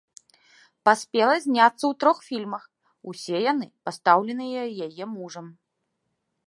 Паспела зняцца ў трох фільмах, усе яны пастаўленыя яе мужам.